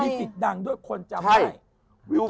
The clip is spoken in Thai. มีสิทธิ์ดังด้วยคนจำได้